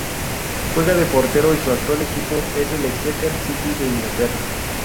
Juega de portero y su actual equipo es el Exeter City de Inglaterra.